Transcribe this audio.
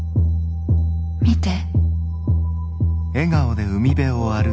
見て。